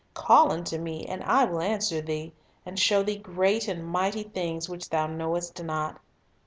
"Call unto Me, and I will answer thee, and show thee great and mighty things, which thou knowest not."